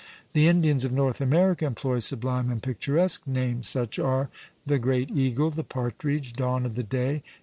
The Indians of North America employ sublime and picturesque names; such are the great Eagle the Partridge Dawn of the Day!